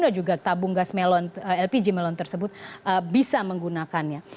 apakah juga tabung gas lpg melon tersebut bisa menggunakannya